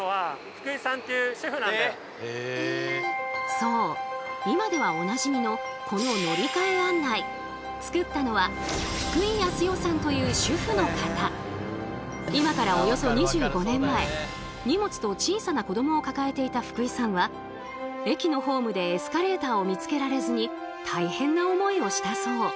そう今ではおなじみのこの今からおよそ２５年前荷物と小さな子どもを抱えていた福井さんは駅のホームでエスカレーターを見つけられずに大変な思いをしたそう。